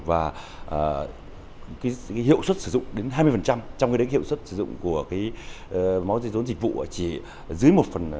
và hiệu suất sử dụng đến hai mươi trong cái hiệu suất sử dụng của máu dây dốn dịch vụ chỉ dưới một